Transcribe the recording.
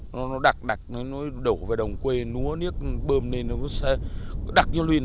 nó đặc đặc nó đổ về đồng quê núa niếc bơm lên nó đặc như luyên